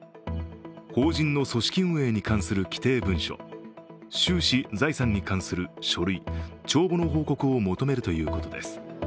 法人の組織運営に関する規定文書、収支・財産に関する書類・帳簿の報告を求めるということです。